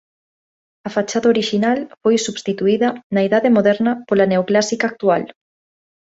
A fachada orixinal foi substituída na Idade Moderna pola neoclásica actual.